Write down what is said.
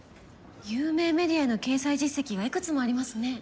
有名メディアへの掲載実績がいくつもありますね。